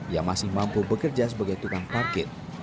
ia masih mampu bekerja sebagai tukang parkir